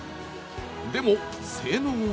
でも性能は？